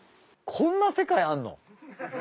こんな世界あんの？